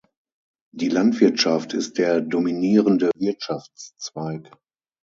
Die Landwirtschaft ist der dominierende Wirtschaftszweig.